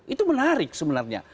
itu menarik sebenarnya